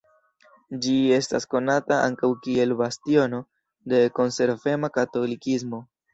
Ĝi estas konata ankaŭ kiel bastiono de konservema katolikismo.